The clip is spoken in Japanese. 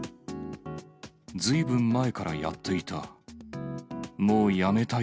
ずいぶん前からやっていた。